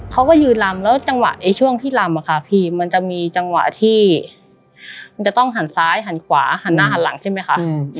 เขาก็ยืนลำแล้วจังหวะในช่วงที่ลำอะค่ะพี่มันจะมีจังหวะที่มันจะต้องหันซ้ายหันขวาหันหน้าหันหลังใช่ไหมคะ